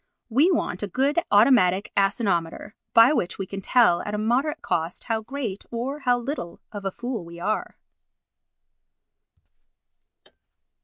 We want a good automatic asinometer by which we can tell at a moderate cost how great or how little of a fool we are.